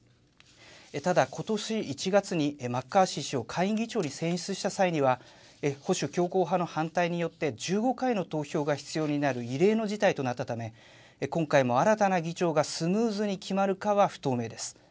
ただ、ことし１月にマッカーシー氏を下院議長に選出した際には、保守強硬派の反対によって１５回の投票が必要になる異例の事態となったため、今回も新たな議長がスムーズに決まるかは不透明です。